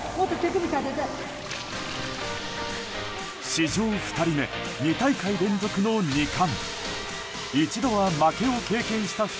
史上２人目２大会連続の２冠。